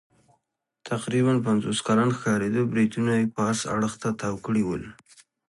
تقریباً پنځوس کلن ښکارېده، برېتونه یې پاس اړخ ته تاو کړي ول.